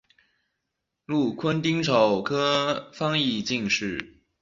禄坤丁丑科翻译进士。